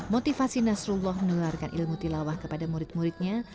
motivasi nasrullah menularkan ilmu tilawah kepada murid muridnya